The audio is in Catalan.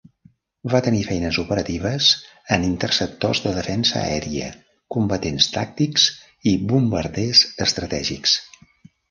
Va tenir feines operatives en interceptors de defensa aèria, combatents tàctics i bombarders estratègics.